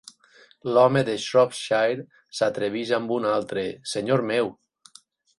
L'home de Shropshire s'atreveix amb un altre "Senyor meu!"